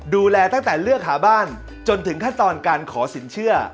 ดูแลตั้งแต่เลือกหาบ้านจนถึงขั้นตอนการขอสินเชื่อ